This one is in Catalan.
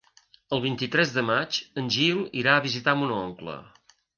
El vint-i-tres de maig en Gil irà a visitar mon oncle.